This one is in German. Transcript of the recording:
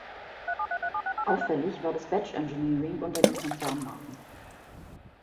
Auffällig war das Badge-Engineering unter den Konzernmarken.